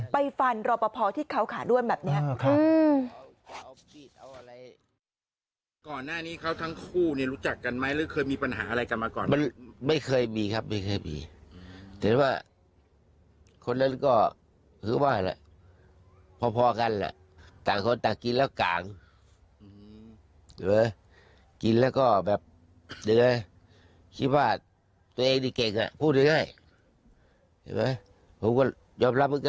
ฟันรอปภที่เขาขาด้วนแบบนี้